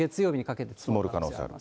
積もる可能性がある。